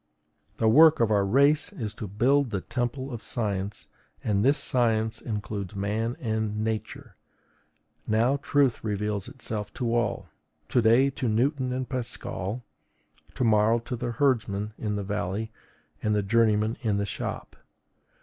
The work of our race is to build the temple of science, and this science includes man and Nature. Now, truth reveals itself to all; to day to Newton and Pascal, tomorrow to the herdsman in the valley and the journeyman in the shop.